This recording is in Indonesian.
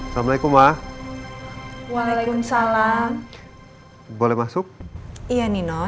tapi kalau anting itu milik mama sarah bukan punya andin